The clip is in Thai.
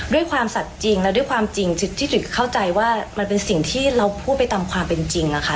ด้วยความสัตว์จริงแล้วด้วยความจริงที่จริยเข้าใจว่ามันเป็นสิ่งที่เราพูดไปตามความเป็นจริงอะค่ะ